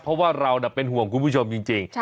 เพราะว่าเราเป็นห่วงคุณผู้ชมจริง